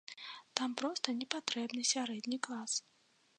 Там проста не патрэбны сярэдні клас.